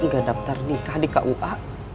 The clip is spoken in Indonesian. nggak daftar nikah di kua